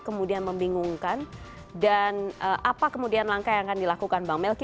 kemudian membingungkan dan apa kemudian langkah yang akan dilakukan bang melki